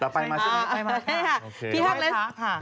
แต่ไปมาซิไปมาค่ะโอเคโอเคโอเคค่ะพี่ฮั่งเลส